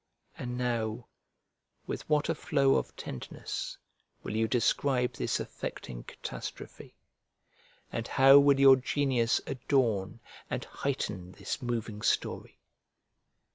And now, with what a flow of tenderness will you describe this affecting catastrophe! and how will your genius adorn and heighten this moving story!